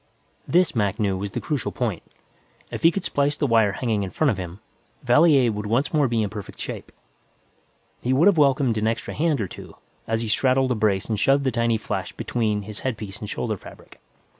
This, Mac knew, was the crucial point. If he could splice the wire hanging in front of him, Valier would once more be in perfect shape. He would have welcomed an extra hand or two, as he straddled a brace and shoved the tiny flash between his headpiece and shoulder fabric.